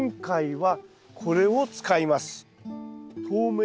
はい。